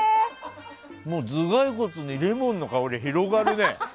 頭蓋骨にレモンの香り広がるね。